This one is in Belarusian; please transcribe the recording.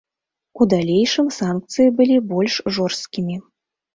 У далейшым, санкцыі былі больш жорсткімі.